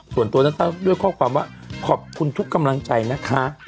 ส่วนตัวนั้นทราบด้วยข้อความว่าขอบคุณทุกกำลังใจนะคะ